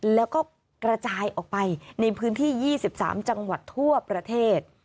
แล้วก็กระจายออกไปในพื้นที่๒๓จังหวัดทั่วประเทศ